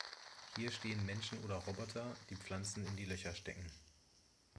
Hier stehen Menschen oder Roboter, die Pflanzen in die Löcher stecken.